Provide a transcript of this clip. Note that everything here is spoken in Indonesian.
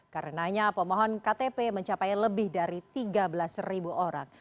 karenanya pemohon ktp mencapai lebih dari tiga belas orang